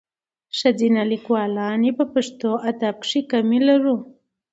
ښځینه لیکوالاني په پښتو ادب کښي کمي لرو.